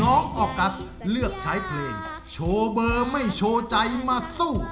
ออกัสเลือกใช้เพลงโชว์เบอร์ไม่โชว์ใจมาสู้